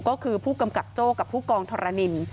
ก็คือผู้กำกับโจ้กับผู้กองทรนิน